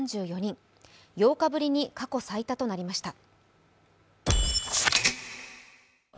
８日ぶりに過去最多となりました。